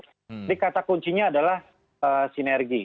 jadi kata kuncinya adalah sinergi